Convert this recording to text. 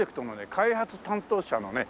開発担当者のね